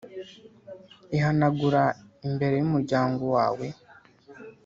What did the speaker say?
ihanagura imbere y'umuryango wawe.